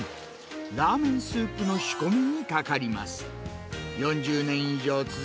ラーメンスープの仕込みにかかります。